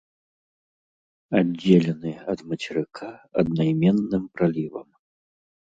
Аддзелены ад мацерыка аднайменным пралівам.